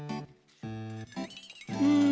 うん。